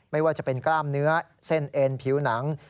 ไม่ว่าจะเป็นกล้ามเนื้อเส้นเอ็นผิวหนัง